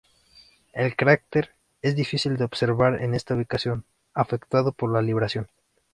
El cráter es difícil de observar en esta ubicación, afectado por la libración.